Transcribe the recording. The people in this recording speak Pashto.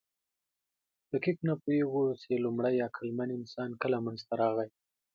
دقیق نه پوهېږو، چې لومړی عقلمن انسان کله منځ ته راغی.